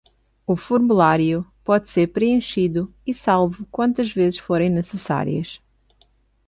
O formulário pode ser preenchido e salvo quantas vezes forem necessárias.